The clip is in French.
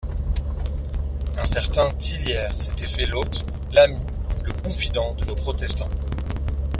Un certain Tillières s'était fait l'hôte, l'ami, le confident de nos protestants.